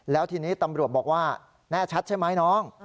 แล้วทีนี้ตำรวจบอกว่าแน่ชัดใช่ไหมน้อง